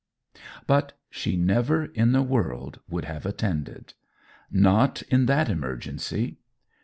But she never in the world would have attended. Not in that emergency!